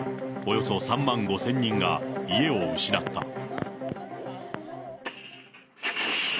およそ３万５０００人が家を失った。